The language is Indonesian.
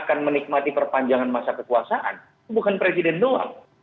karena di dalam kepanjangan masa kekuasaan bukan presiden doang